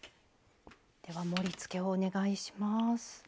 盛り付けをお願いします。